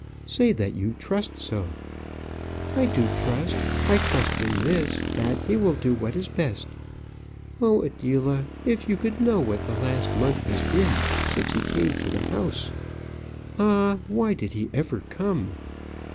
"Say that you trust so." "I do trust. I trust in this that He will do what is best. Oh, Adela! if you could know what the last month has been; since he came to the house!" "Ah! why did he ever come?"